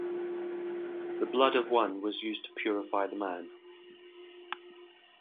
The blood of one was used to purify the man.